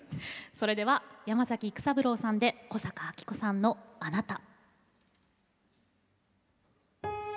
山崎育三郎さんで小坂明子さんの「あなた」。